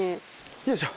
よいしょ。